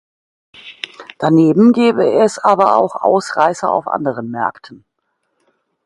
Daneben gebe es aber auch Ausreißer auf anderen Märkten.